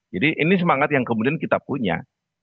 jadi ini semangat yang kemudian kita punya